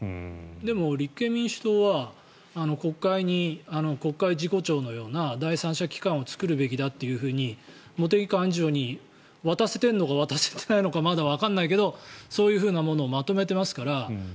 でも、立憲民主党は国会に国会事故調のような第三者機関を作るべきだというふうに茂木幹事長に渡せているのか渡せていないのかまだわからないけれどそういうふうなものをまとめていますから。